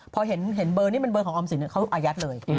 พอเห็นเบอร์นี้เป็นเบอร์ของออมสินเขาอายัดเลย